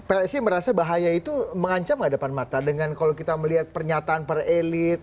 psi merasa bahaya itu mengancam gak depan mata dengan kalau kita melihat pernyataan per elit